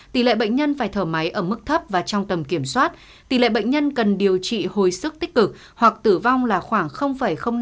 tỷ lệ bệnh nhân phải thở máy ở mức thấp và trong tầm kiểm soát tỷ lệ bệnh nhân cần điều trị hồi sức tích cực hoặc tử vong là khoảng năm